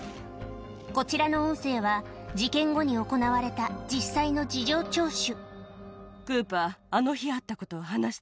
こちらの音声は事件後に行われた実際の事情聴取